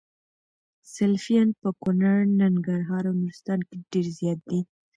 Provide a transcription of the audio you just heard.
سلفيان په کونړ ، ننګرهار او نورستان کي ډير زيات دي